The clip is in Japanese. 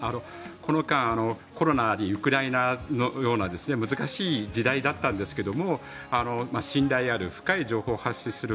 この間コロナにウクライナのような難しい時代だったんですけど信頼ある深い情報を発信する